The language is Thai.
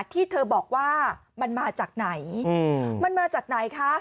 ที่เธอบอกว่ามันมาจากไหนมันมาจากไหนคะ